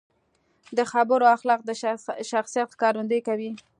د خبرو اخلاق د شخصیت ښکارندويي کوي.